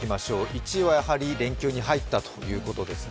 １位はやはり連休に入ったということですね。